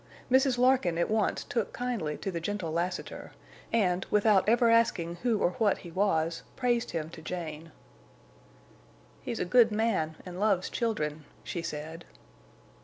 Mrs. Larkin at once took kindly to the gentle Lassiter, and, without ever asking who or what he was, praised him to Jane. "He's a good man and loves children," she said.